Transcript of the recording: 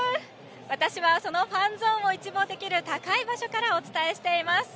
私はファンゾーンを一望できる高い場所からお伝えしています。